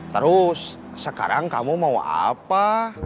terus sekarang kamu mau apa